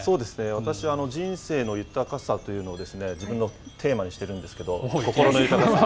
私、人生の豊かさというのを自分のテーマにしてるんですけれども、心の豊かさ。